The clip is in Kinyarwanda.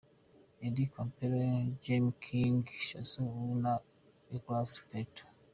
Edie Campbell, Jaime King, Jason Wu na Nicola Peltz .